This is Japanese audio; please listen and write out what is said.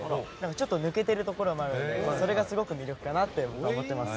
ちょっと抜けているところもあってそれがすごく魅力かなと思っています。